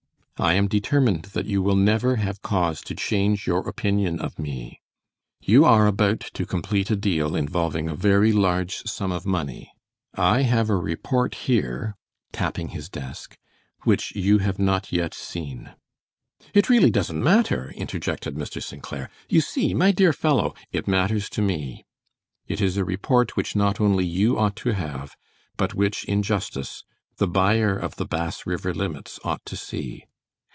I am determined that you will never have cause to change your opinion of me. You are about to complete a deal involving a very large sum of money. I have a report here," tapping his desk, "which you have not yet seen." "It really doesn't matter!" interjected Mr. St. Clair; "you see, my dear fellow " "It matters to me. It is a report which not only you ought to have, but which, in justice, the buyer of the Bass River Limits ought to see.